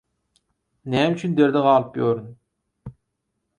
Näme üçin derde galyp ýörün?!